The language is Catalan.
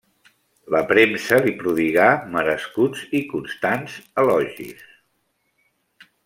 La premsa li prodigà merescuts i constants elogia.